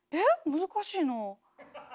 難しいなあ。